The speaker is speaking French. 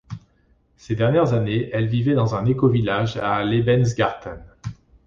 Ces dernières années, elle vivait dans un écovillage à Lebensgarten.